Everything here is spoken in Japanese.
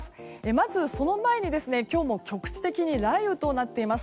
まず、その前に今日も局地的に雷雨となっています。